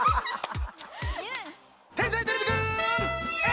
天才てれびくん！